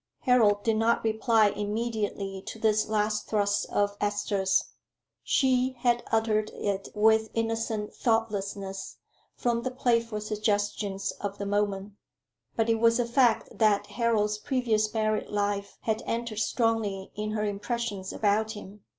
Harold did not reply immediately to this last thrust of Esther's. She had uttered it with innocent thoughtlessness from the playful suggestions of the moment; but it was a fact that Harold's previous married life had entered strongly in her impressions about him.